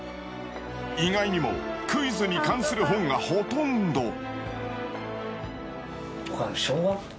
意外にもクイズに関する本がほとんど。